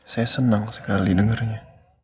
saya senang sekali dengarnya